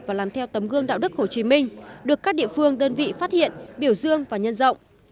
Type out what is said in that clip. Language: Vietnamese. và làm theo tấm gương đạo đức hồ chí minh được các địa phương đơn vị phát hiện biểu dương và nhân rộng